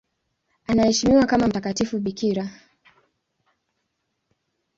Anaheshimiwa kama mtakatifu bikira.